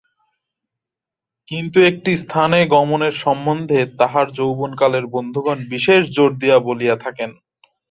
কিন্তু একটি স্থানে গমনের সম্বন্ধে তাঁহার যৌবনকালের বন্ধুগণ বিশেষ জোর দিয়া বলিয়া থাকেন।